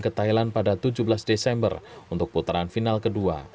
dan ke thailand pada tujuh belas desember untuk putaran final kedua